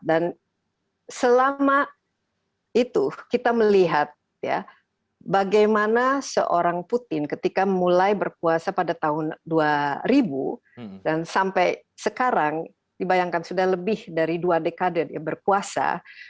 dan selama itu kita melihat bagaimana seorang putin ketika mulai berkuasa pada tahun dua ribu dan sampai sekarang dibayangkan sudah lebih dari dua dekade berkuasa